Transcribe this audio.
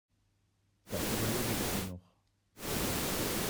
Das überlege ich mir noch.